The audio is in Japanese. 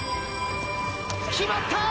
決まった！